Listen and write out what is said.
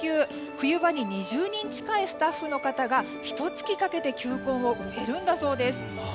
冬場に２０人近いスタッフの方がひと月かけて球根を植えるんだそうです。